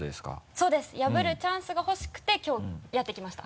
そうです破るチャンスがほしくてきょうやって来ました。